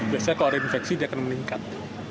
biasanya kalau ada infeksi dia akan meningkat